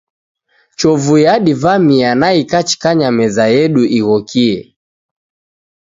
Chovu yadivamia na ikachikanya meza yedu ighokie.